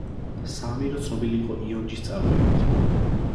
საამირო ცნობილი იყო იონჯის წარმოებით.